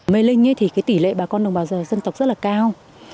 mê linh thì tỷ lệ bà con đồng bào dân tộc rất là cao